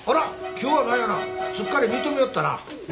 今日は何やなすっかり認めよったな。